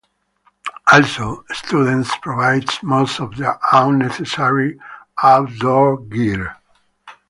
Also, students provide most of their own necessary outdoor gear.